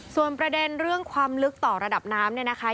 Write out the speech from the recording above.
ส่วนประเด็นเรื่องความลึกต่อระดับน้ำ